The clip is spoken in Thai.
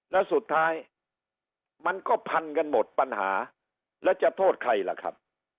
แล้วสุดท้ายมันก็พันกันหมดปัญหาแล้วจะโทษใครล่ะครับ